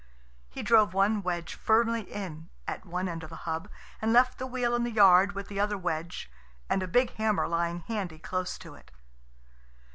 He drove one wedge firmly in at one end of the hub, and left the wheel in the yard with the other wedge, and a big hammer lying handy close to it.